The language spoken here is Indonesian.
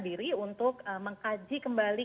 diri untuk mengkaji kembali